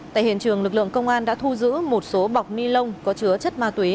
tại hiện trường lực lượng công an đã thu giữ một số bọc ni lông có chứa chất ma túy